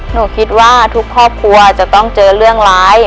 หนูคิดว่าทุกครอบครัวจะต้องเจอเรื่องร้าย